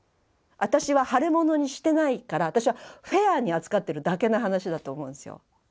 私は腫れ物にしてないから私はフェアに扱ってるだけの話だと思うんですよ。